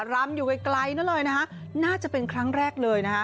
รำอยู่ไกลนั่นเลยนะฮะน่าจะเป็นครั้งแรกเลยนะฮะ